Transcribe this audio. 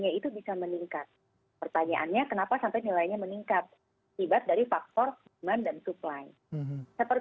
jadi mbakah katakan ini tidak ada kurnia harga yang susah untuk dibuat jika kita bahas gaya sampai anggar